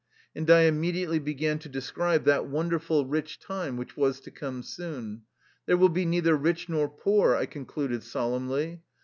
And I immediately began to describe that wonderful rich time which was to come soon. " There will be neither rich nor poor !" I concluded solemnly.